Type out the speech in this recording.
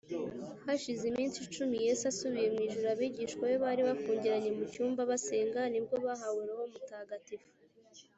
hashize iminsi icumi yesu asubiye mu ijuru abigishwa be bari bifungiranye mu cyumba basenga nibwo bahawe roho mutagatifu